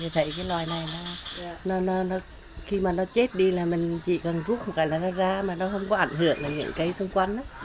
thầy cái loài này khi nó chết đi mình chỉ cần rút một cái là nó ra mà nó không có ảnh hưởng đến những cây xung quanh